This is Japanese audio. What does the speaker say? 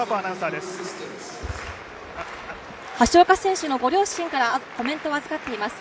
橋岡選手のご両親からコメントを預かっています。